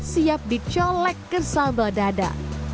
siap dicolek ke sambal dada